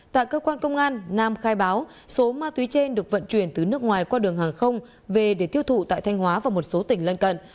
tại cơ quan công an nam khai báo số ma túy trên được vận chuyển từ nước ngoài qua đường hàng không về để tiêu thụ tại thanh hóa và một số tỉnh lân cận